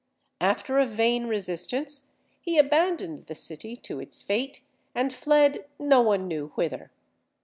After a vain resistance, he abandoned the city to its fate, and fled no one knew whither.